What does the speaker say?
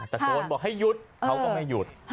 ตะโกนบอกให้หยุดเขาก็ไม่หยุด